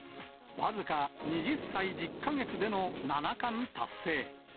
僅か２０歳１０か月での七冠達成。